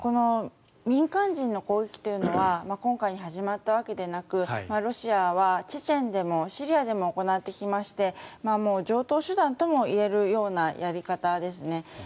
民間人の攻撃というのは今回始まったわけではなくロシアはチェチェンでもシリアでも行っていまして常とう手段ともいえるようなやり方ですね。